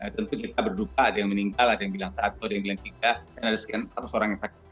tentu kita berduka ada yang meninggal ada yang bilang satu ada yang bilang tiga dan ada sekian ratus orang yang sakit